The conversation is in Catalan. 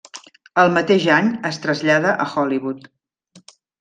El mateix any es trasllada a Hollywood.